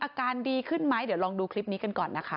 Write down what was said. อาการดีขึ้นไหมเดี๋ยวลองดูคลิปนี้กันก่อนนะคะ